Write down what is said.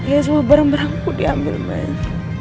ya semua barang barangku diambil mas